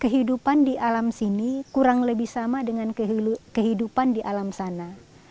kehidupan di alam sini kurang lebih sama dengan kehidupan di alam sana